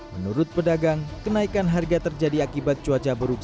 menurut pedagang kenaikan harga terjadi akibat cuaca buruk